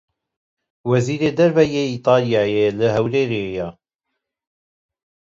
Wezîrê Derve yê Îtalyayê li Hewlêrê ye.